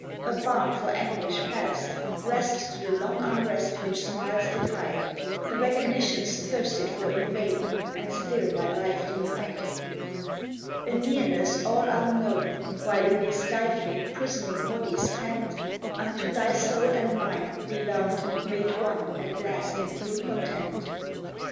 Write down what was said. A balm for anguish past, Rest to the long unrest which smiles did hide ; The recognitions thirsted for in vain, And still by life denied. A nearness, all unknown While in these stifling, prisoning bodies pent, Unto thy soul and mine, beloved, made one At last in full content.